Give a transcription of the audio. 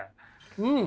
うん！